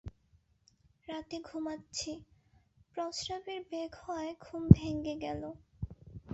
রাতে ঘুমাচ্ছি, প্রস্রাবের বেগ হওয়ায় ঘুম ভেঙে গেল।